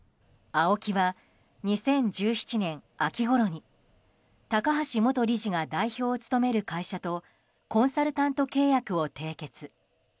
ＡＯＫＩは２０１７年秋ごろに高橋元理事が代表を務める会社とコンサルタント契約を締結。